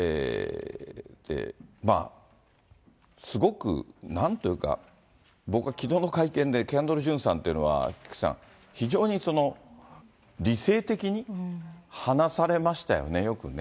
まあ、すごくなんというか、僕はきのうの会見でキャンドル・ジュンさんというのは、菊池さん、非常に理性的に話されましたよね、よくね。